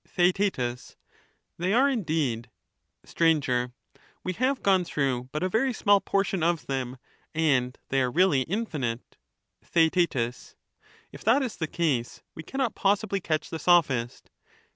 TheaeU They are indeed. Str, We have gone through but a very small portion of them, and they are really infinite. TheaeU If that is the case, we cannot possibly catch the Sophist.